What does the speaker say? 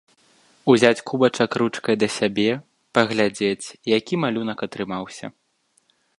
Узяць кубачак ручкай да сябе, паглядзець, які малюнак атрымаўся.